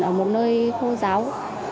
ở một nơi khô giáo